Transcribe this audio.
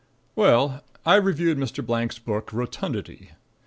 Well, I reviewed Mr. Blank's book, "Rotundity."